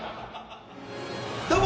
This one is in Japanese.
どうも！